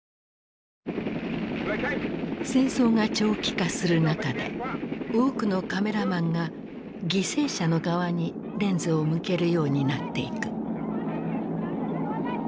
戦争が長期化する中で多くのカメラマンが犠牲者の側にレンズを向けるようになっていく。